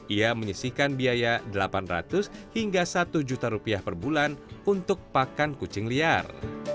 ia menyisihkan biaya delapan ratus hingga satu juta rupiah per bulan untuk pakan kucing liar